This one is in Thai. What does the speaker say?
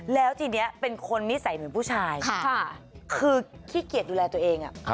แล้วทีนี้เป็นคนนิสัยเหมือนผู้ชายคือขี้เกียจดูแลตัวเอง